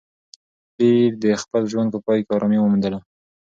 پییر د خپل ژوند په پای کې ارامي وموندله.